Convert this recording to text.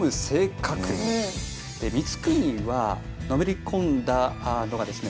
光圀はのめり込んだのがですね